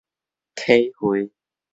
體會